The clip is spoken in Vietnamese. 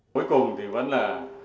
cuối cùng thì vẫn là